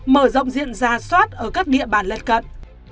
mở rộng diện ra soát ở các địa bàn lật cận